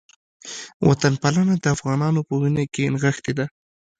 وطنپالنه د افغانانو په وینه کې نغښتې ده